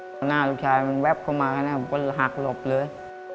หน้าลูกชายแว๊บเข้ามาก็หักหลบเลย